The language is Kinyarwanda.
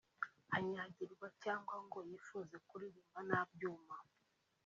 anyagirwa cyangwa ngo yifuze kuririmba nta byuma